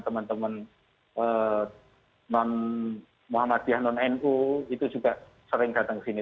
teman teman non muhammadiyah non nu itu juga sering datang ke sini